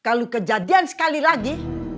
kalo kejadian sekali lagi